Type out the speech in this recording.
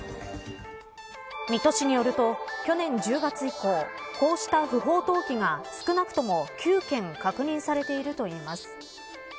水戸市によると、去年１０月以降こうした不法投棄が少なくとも９件確認されているといいます。